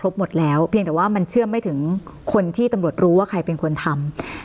หมดแล้วเพียงแต่ว่ามันเชื่อมไม่ถึงคนที่ตำรวจรู้ว่าใครเป็นคนทำ